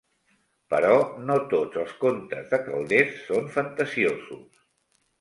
Però no tots els contes de Calders són fantasiosos.